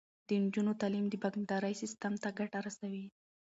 د نجونو تعلیم د بانکدارۍ سیستم ته ګټه رسوي.